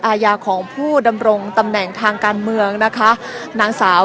อาญาของผู้ดำรงตำแหน่งทางการเมืองนะคะนางสาว